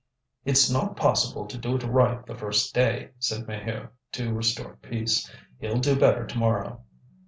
"It's not possible to do it right the first day," said Maheu, to restore peace; "he'll do better to morrow."